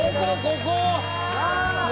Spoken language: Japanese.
ここ！」